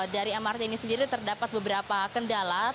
dari mrt ini sendiri terdapat beberapa kendala terutama untuk pembebasan lahan